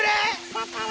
「だから」。